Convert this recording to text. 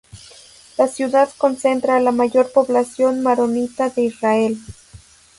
La ciudad concentra a la mayor población maronita de Israel.